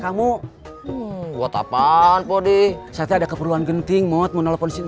sampai jumpa di video selanjutnya